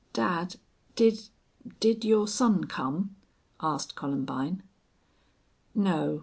"Dad did did your son come?" asked Columbine. "No.